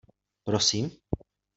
Prosím?